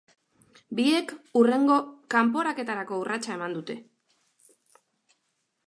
Biek hurrengo kanporaketarako urratsa eman dute.